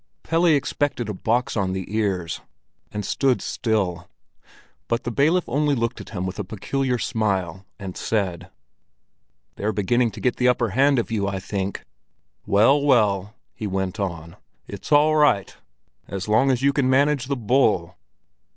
Pelle expected a box on the ears, and stood still; but the bailiff only looked at him with a peculiar smile, and said: "They're beginning to get the upper hand of you, I think. Well, well," he went on, "it's all right as long as you can manage the bull!"